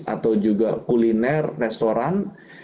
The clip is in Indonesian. atau juga kuliner restoran